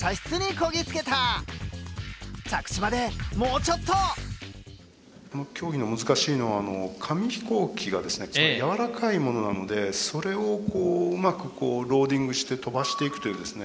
この競技の難しいのは紙飛行機がですねやわらかいものなのでそれをこううまくローディングして飛ばしていくというですね